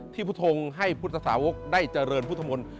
ที่พุทธงให้พุทธสาวกได้เจริญพุทธมนต์